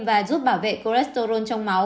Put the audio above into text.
và giúp bảo vệ cholesterol trong máu